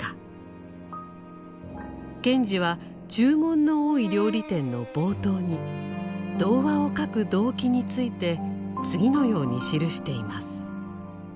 賢治は「注文の多い料理店」の冒頭に童話を書く動機について次のように記しています。